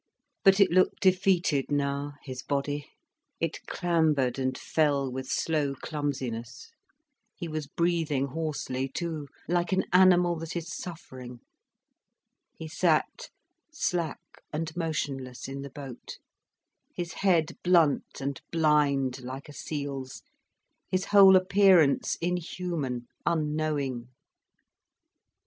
But it looked defeated now, his body, it clambered and fell with slow clumsiness. He was breathing hoarsely too, like an animal that is suffering. He sat slack and motionless in the boat, his head blunt and blind like a seal's, his whole appearance inhuman, unknowing.